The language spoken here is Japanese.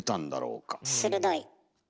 鋭い。